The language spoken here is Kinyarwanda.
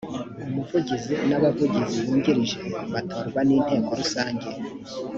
umuvugizi n’abavugizj bungirije batorwa n’inteko rusange